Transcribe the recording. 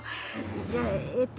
じゃあえと